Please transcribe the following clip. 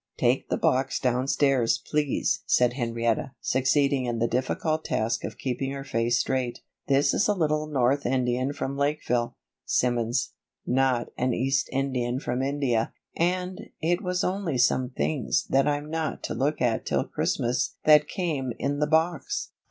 "Take the box downstairs, please," said Henrietta, succeeding in the difficult task of keeping her face straight. "This is a little North Indian from Lakeville, Simmons, not an East Indian from India, and it was only some things that I'm not to look at till Christmas that came in the box."